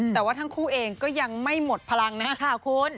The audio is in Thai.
แต่ว่าทั้งคู่เองก็ยังไม่หมดพลังนะคะคุณ